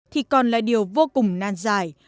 thì còn là điều vô cùng nan dài